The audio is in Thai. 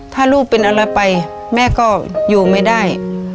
ถ้าลูกเป็นอะไรไปแม่ก็อยู่ไม่ได้